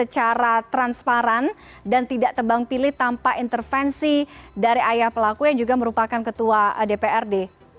cara transparan dan tidak tebang pilih tanpa intervensi dari ayah pelaku yang juga merupakan ketua dprd